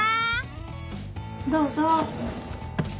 どうぞ。